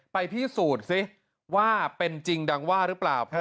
ไปพิสูจน์ซิว่าเป็นจริงดังว่าหรือเปล่า